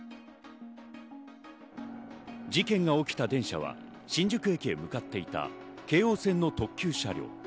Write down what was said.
事件が起きた電車は新宿駅へ向かっていた京王線の特急車両。